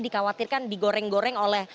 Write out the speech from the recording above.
dikhawatirkan digoreng goreng oleh